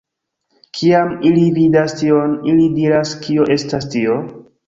Kiam ili vidas tion, ili diras kio estas tio?